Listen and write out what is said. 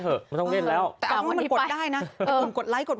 ไม่ต้องเล่นแล้วแต่เอาว่ามันกดได้นะผมกดไลคด